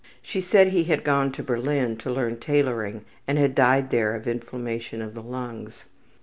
She said he had gone to Berlin to learn tailoring and had died there of inflammation of the lungs.